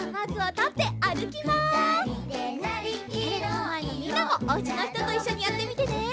テレビのまえのみんなもおうちのひとといっしょにやってみてね。